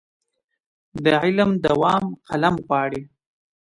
د علم دوام قلم غواړي.